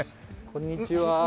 こんにちは。